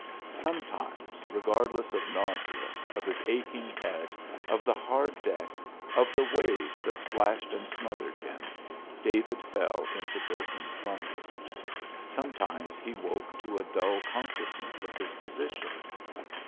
Sometimes, regardless of nausea, of his aching head, of the hard deck, of the waves that splashed and smothered him, David fell into broken slumber. Sometimes he woke to a dull consciousness of his position.